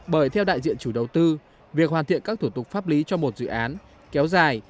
bởi theo đại diện chủ đầu tư việc hoàn thiện các thủ tục pháp lý cho một dự án kéo dài